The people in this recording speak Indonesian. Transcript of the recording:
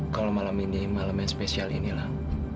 kalau malam ini malam yang spesial inilah